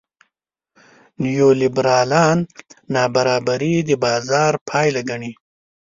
نیولېبرالان نابرابري د بازار پایله ګڼي.